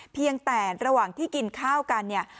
เพียงแต่ระหว่างที่กินข้าวกันเนี่ย